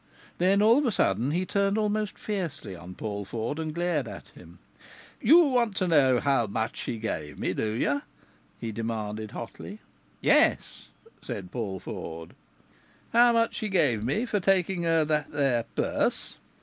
Then all of a sudden he turned almost fiercely on Paul Ford and glared at him. "Ye want to know how much she gave me, do ye?" he demanded hotly. "Yes," said Paul Ford. "How much she gave me for taking her that there purse?"